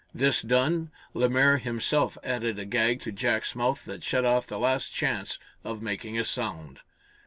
This done, Lemaire himself added a gag to Jack's mouth that shut off the last chance of making a sound.